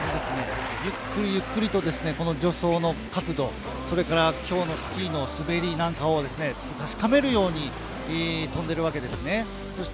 ゆっくりゆっくりと助走の角度、それから今日のスキーの滑りなんかを確かめるように飛んでいるわけです。